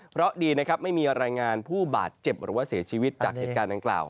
เพราะดีนะครับไม่มีรายงานผู้บาดเจ็บหรือว่าเสียชีวิตจากเหตุการณ์ดังกล่าว